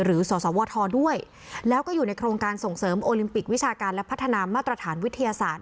สสวทด้วยแล้วก็อยู่ในโครงการส่งเสริมโอลิมปิกวิชาการและพัฒนามาตรฐานวิทยาศาสตร์